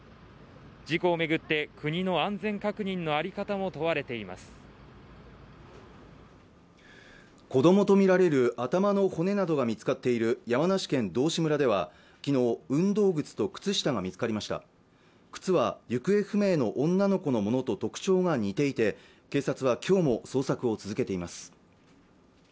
事故を巡って国の安全確認の在り方も問われています子どもと見られる頭の骨などが見つかっている山梨県道志村ではきのう運動靴と靴下が見つかりました靴は行方不明の女の子のものと特徴が似ていて警察は今日も捜索を続けています